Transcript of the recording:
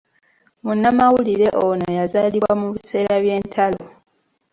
Munnamawulire ono yazaalibwa mu biseera by’entalo.